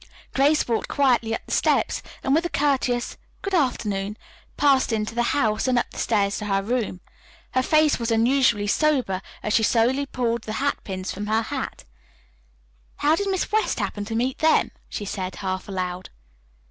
Grace walked quietly up the steps and, with a courteous "good afternoon," passed into the house and up the stairs to her room. Her face was unusually sober as she slowly pulled the hatpins from her hat. "How did Miss West happen to meet them?" she said half aloud.